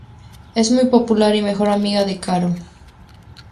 Es muy popular y mejor amiga de Caro.